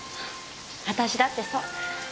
私だってそう。